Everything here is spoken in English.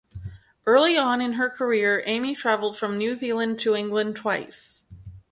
Early on in her career Amey travelled from New Zealand to England twice.